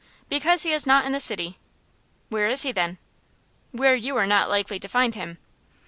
"Because he is not in the city." "Where is he, then?" "Where you are not likely to find him."